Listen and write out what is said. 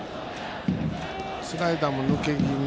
スライダーも抜け気味。